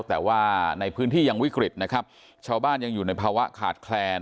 แต่ว่าในพื้นที่ยังวิกฤตนะครับชาวบ้านยังอยู่ในภาวะขาดแคลน